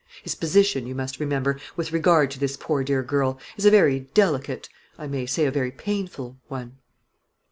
His position, you must remember, with regard to this poor dear girl, is a very delicate I may say a very painful one."